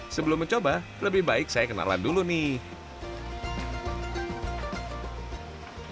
sebelum mencoba lebih baik saya kenalan dulu nih